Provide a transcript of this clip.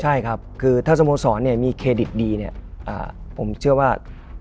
ใช่ครับคือถ้าสโมสรมีเครดิตดีเนี่ยผมเชื่อว่า